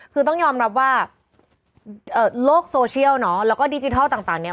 คือต้องยอมรับว่าโลกโซเชียลเนาะแล้วก็ดิจิทัลต่างเนี่ย